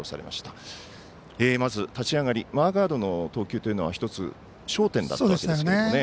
まず、立ち上がりマーガードの投球というのは１つ、焦点だったでしょうか。